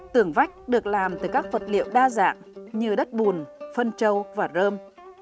tưởng vách được làm từ các vật liệu đa dạng như đất bùn phân trâu và rơm